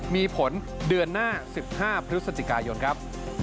มีผลเดือนหน้า๑๕พฤศจิกายนครับ